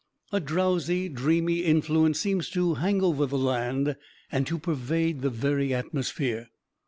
A drowsy, dreamy influence seems to hang over the land and to pervade the very atmosphere.